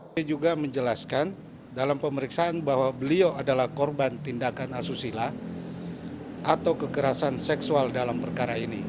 saya juga menjelaskan dalam pemeriksaan bahwa beliau adalah korban tindakan asusila atau kekerasan seksual dalam perkara ini